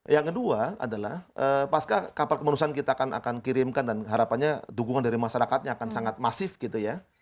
yang kedua adalah pasca kapal kemanusiaan kita akan kirimkan dan harapannya dukungan dari masyarakatnya akan sangat masif gitu ya